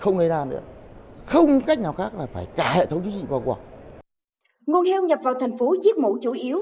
nguồn heo nhập vào thành phố giết mổ chủ yếu